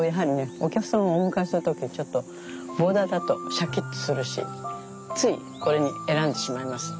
お客様をお迎えする時ボーダーだとシャキッとするしついこれを選んでしまいます。